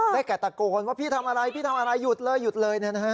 ได้แก่ตะโกนว่าพี่ทำอะไรพี่ทำอะไรหยุดเลยหยุดเลย